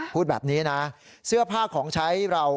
พูดแบบนี้นะเสื้อผ้าของใช้เรา